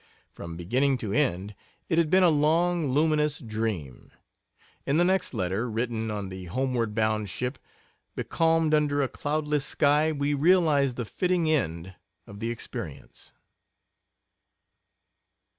From beginning to end it had been a long luminous dream; in the next letter, written on the homeward bound ship, becalmed under a cloudless sky, we realize the fitting end of the experience.